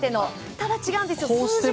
ただ、違うんですよ。